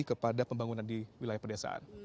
kepada pembangunan di wilayah pedesaan